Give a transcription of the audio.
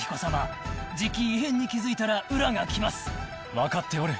分かっておる。